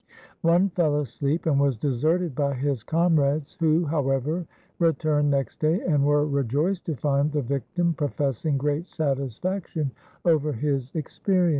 One fell asleep and was deserted by his comrades, who, however, returned next day and were rejoiced to find the victim professing great satisfaction over his experience.